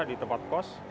di tempat kos